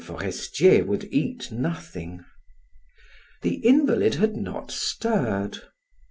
Forestier would eat nothing. The invalid had not stirred.